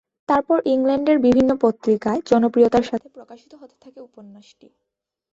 তারপর ইংল্যান্ডের বিভিন্ন পত্রিকায় জনপ্রিয়তার সাথে প্রকাশিত হতে থাকে উপন্যাসটি।